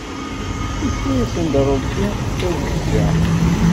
Ifka yasen-d Ṛebbi tajeggaḥt.